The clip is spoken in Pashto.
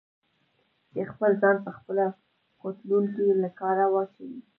چې خپل ځان په خپله په خوټلون کې له کاره واچوي؟